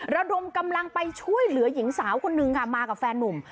ระดมกำลังไปช่วยเหลือหญิงสาวคนนึงค่ะมากับแฟนนุ่ม